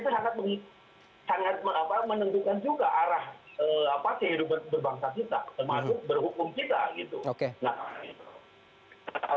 karena yang lain sangat menentukan juga arah kehidupan berbangsa kita